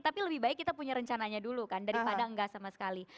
tapi lebih baik kita punya rencananya dulu kan daripada enggak sama sekali